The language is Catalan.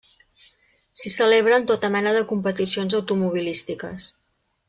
S'hi celebren tota mena de competicions automobilístiques.